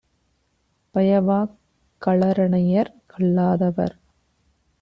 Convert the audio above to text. பயவாக் களரனையர் கல்லாதவர்